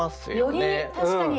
より確かに！